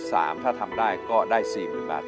ถ้าทำได้ก็ได้๔๐๐๐บาท